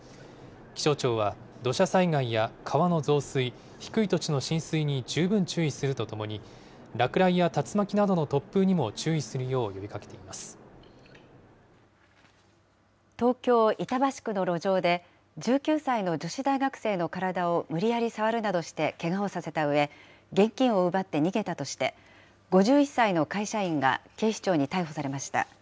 気象庁は土砂災害や川の増水、低い土地の浸水に十分注意するとともに、落雷や竜巻などの突風に東京・板橋区の路上で、１９歳の女子大学生の体を無理やり触るなどしてけがをさせたうえ、現金を奪って逃げたとして、５１歳の会社員が警視庁に逮捕されました。